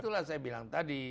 itulah saya bilang tadi